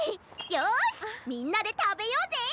よしみんなでたべようぜ！